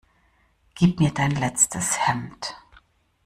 Gib mir dein letztes Hemd!